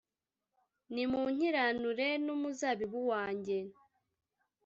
nimunkiranure n’umuzabibu wanjye.